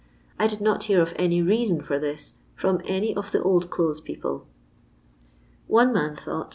I did not hear any reason for this from ■qr ef the old dothes* people. One man thought.